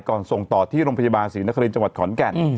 ส่งต่อที่โรงพยาบาลศรีนครินจังหวัดขอนแก่น